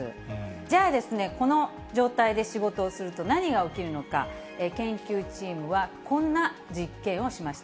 じゃあですね、この状態で仕事をすると何が起きるのか、研究チームはこんな実験をしました。